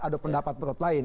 ada pendapat pendapat lain